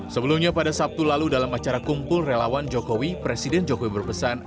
sebelumnya pada sabtu lalu dalam acara kumpul relawan jokowi presiden jokowi berpesan